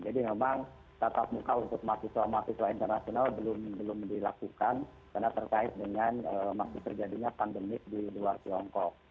jadi memang tatap muka untuk mahasiswa mahasiswa internasional belum dilakukan karena terkait dengan masih terjadinya pandemik di luar tiongkok